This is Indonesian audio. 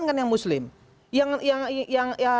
yang non muslim dihadapkan kan yang muslim